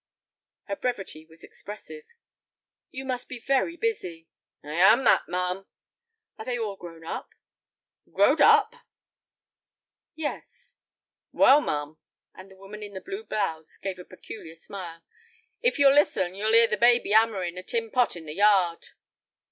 Her brevity was expressive. "You must be very busy." "I am that, ma'am." "Are they all grown up?" "Grow'd up?" "Yes." "Well, ma'am," and the woman in the blue blouse gave a peculiar smile, "if you'll listen you'll 'ear the baby 'ammerin' a tin pot in the yard."